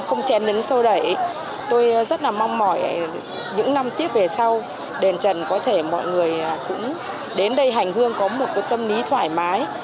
không chèn nấn sâu đẩy tôi rất là mong mỏi những năm tiếp về sau đền trần có thể mọi người cũng đến đây hành hương có một tâm lý thoải mái